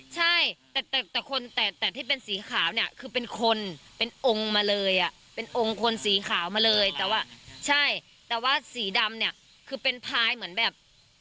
ใช่แต่ว่าสีดำเนี่ยคือเป็นพายเหมือนแบบ